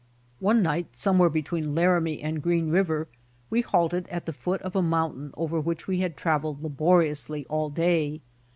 One night somewhere between Laramie aud Green river we halted at the foot of a mountain over which we had traveled laboriously all day.